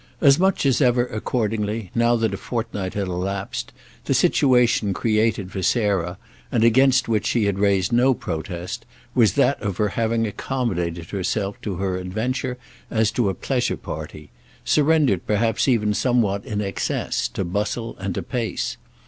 As much as ever, accordingly, now that a fortnight had elapsed, the situation created for Sarah, and against which she had raised no protest, was that of her having accommodated herself to her adventure as to a pleasure party surrendered perhaps even somewhat in excess to bustle and to "pace."